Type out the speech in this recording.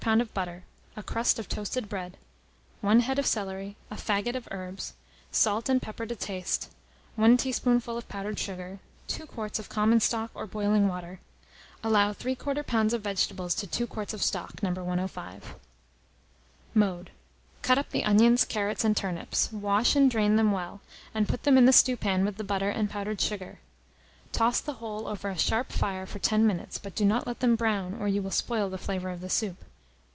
of butter, a crust of toasted bread, 1 head of celery, a faggot of herbs, salt and pepper to taste, 1 teaspoonful of powdered sugar, 2 quarts of common stock or boiling water. Allow 3/4 lb. of vegetables to 2 quarts of stock, No. 105. Mode. Cut up the onions, carrots, and turnips; wash and drain them well, and put them in the stewpan with the butter and powdered sugar. Toss the whole over a sharp fire for 10 minutes, but do not let them brown, or you will spoil the flavour of the soup.